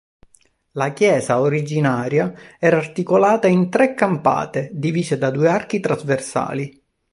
La chiesa originaria era articolata in tre campate divise da due archi trasversali.